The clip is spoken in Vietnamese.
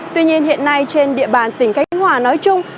tuy nhiên hiện nay trên địa bàn tỉnh khánh hòa nói chung